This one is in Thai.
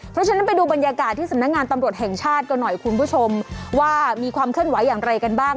เพราะฉะนั้นไปดูบรรยากาศที่สำนักงานตำรวจแห่งชาติก็หน่อยคุณผู้ชมว่ามีความเคลื่อนไหวอย่างไรกันบ้าง